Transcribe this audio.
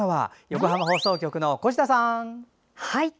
横浜放送局の越田さん！